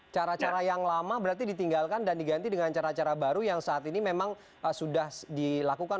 cara cara yang lama berarti ditinggalkan dan diganti dengan cara cara baru yang saat ini memang sudah dilakukan